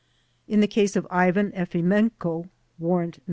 In the case of Ivan Efimenko (Warrant No.